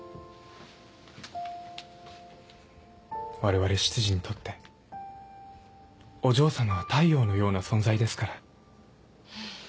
われわれ執事にとってお嬢さまは太陽のような存在ですから。